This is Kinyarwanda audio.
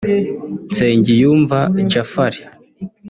Nsengiyumva Djafari